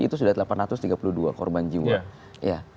itu sudah delapan ratus tiga puluh dua korban jiwa